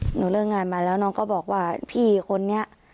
หนูเลิกงานมาแล้วน้องก็บอกว่าพี่คนนี้